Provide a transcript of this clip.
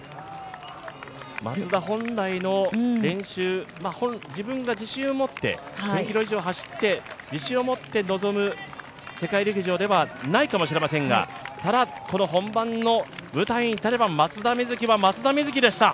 松田本来の練習、自分が自信を持って１０００ｋｍ以上走って自信を持って臨む世界陸上ではないかもしれませんがただ、この本番の舞台に立てば松田瑞生は松田瑞生でした。